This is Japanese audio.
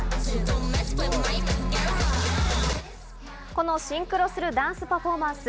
このシンクロするダンスパフォーマンス。